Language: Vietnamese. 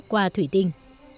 qua thủy tinh